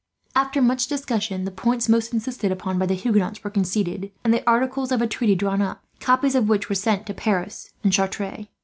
After much discussion, the points most insisted upon by the Huguenots were conceded, and the articles of a treaty drawn up, copies of which were sent to Paris and Chartres.